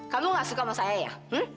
kamu gak suka sama saya ya